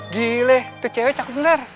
gile itu cewek cakup bener